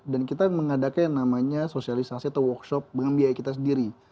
dan kita mengadakan yang namanya sosialisasi atau workshop dengan biaya kita sendiri